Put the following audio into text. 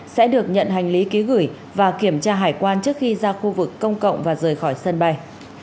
sẽ được nhận hành lý ký gửi và kiểm tra hải quan trước khi ra khu vực công cộng và rời khỏi sân bay